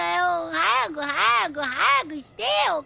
早く早く早くしてよお母さん！